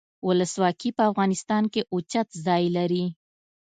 ولسواکي په افغانستان کې اوچت ځای لري.